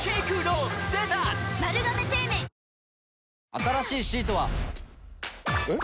新しいシートは。えっ？